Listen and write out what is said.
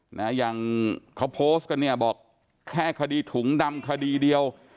หำเค้าโพสก็เนี่ยบอกแค่คดีถุงดำคดีเดียว